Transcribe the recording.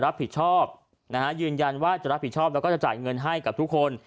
รับผิดชอบนะฮะยืนยันว่าจะรับผิดชอบแล้วก็จะจ่ายเงินให้กับทุกคน